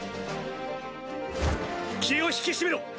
気を引き締めろ！